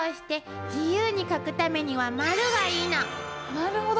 なるほど。